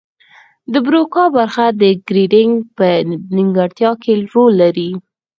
د بروکا برخه د ګړیدنګ په نیمګړتیا کې رول لري